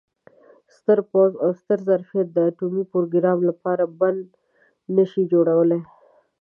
ستر پوځ او ستر ظرفیت د اټومي پروګرام لپاره بند نه شي جوړولای.